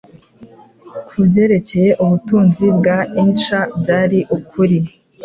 kubyerekeye ubutunzi bwa Inca byari ukuri